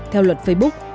theo luật facebook